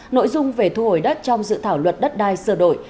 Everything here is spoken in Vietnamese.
nội dung về thu hồi đất trong dự thảo luật đất đai sửa đổi